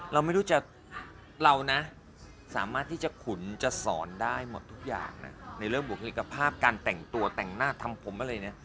เราไม่รู้จะเรานะสามารถที่จะขุนจะสอนได้หมดทุกอย่างนะในเรื่องบุคลิกภาพการแต่งตัวแต่งหน้าทำผมอะไรเนี่ย